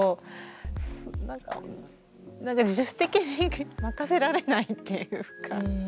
なんか自主的に任せられないっていうか。